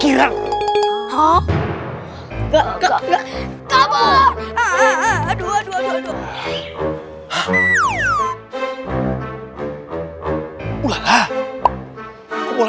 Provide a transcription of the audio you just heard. terima kasih butet